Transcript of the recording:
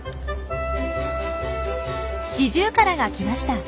シジュウカラが来ました。